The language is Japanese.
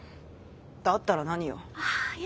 だったら何よ？